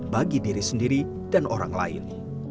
bagi diri sendiri dan orang lain